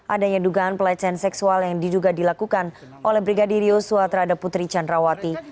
adanya dugaan pelecehan seksual yang diduga dilakukan oleh brigadir yosua terhadap putri candrawati